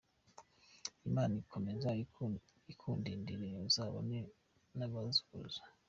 Imana ikomeze ikundindire uzabone n abazukuruza.